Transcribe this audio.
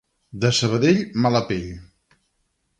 De Sabadell mala pell